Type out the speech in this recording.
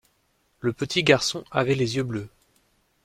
Le petit garçon avait les yeux bleus.